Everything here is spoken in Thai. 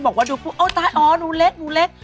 ก็หลายคนบอกว่าดูอ๋อหนูเล็ก